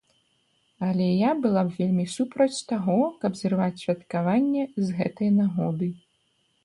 Але я была б вельмі супраць таго, каб зрываць святкаванне з гэтай нагоды.